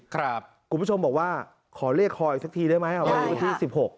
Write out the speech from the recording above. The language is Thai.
กลุ่มผู้ชมบอกว่าขอเลขคออีกสักทีได้ไหมครับ